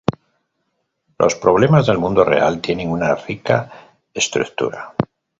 Los problemas del mundo real tienen una rica estructura.